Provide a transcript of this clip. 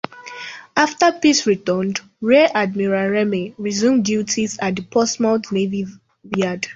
After peace returned, Rear Admiral Remey resumed duties at the Portsmouth Navy Yard.